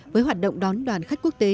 với hoạt động đón đoàn khách quốc tế